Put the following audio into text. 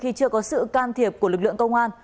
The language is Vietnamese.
khi chưa có sự can thiệp của lực lượng công an